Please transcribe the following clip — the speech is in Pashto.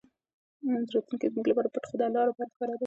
راتلونکی زموږ لپاره پټ خو د الله لپاره ښکاره دی.